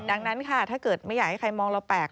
ดังนั้นค่ะถ้าเกิดไม่อยากให้ใครมองเราแปลก